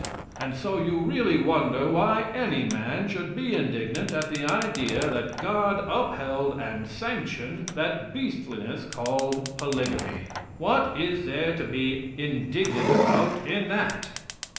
And so you really wonder why any man should be indignant at the idea that God upheld and sanctioned that beastliness called polygamy? What is there to be indignant about in that?"